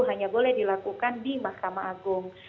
hanya boleh dilakukan di mahkamah agung